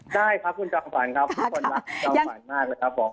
ได้ครับคุณจอมหวานครับทุกคนรักจอมหวานมากเลยครับผม